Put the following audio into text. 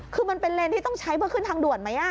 คือมันเป็นเลนที่ต้องใช้เพื่อขึ้นทางด่วนไหม